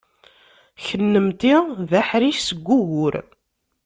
Kennemti d aḥric seg ugur.